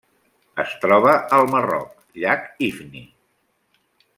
Es troba al Marroc: llac Ifni.